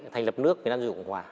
thành lập nước việt nam dự cộng hòa